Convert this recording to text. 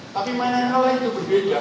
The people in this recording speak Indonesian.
tapi mainan yang lain itu berbeda